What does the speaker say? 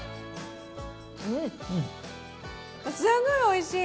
すごいおいしい！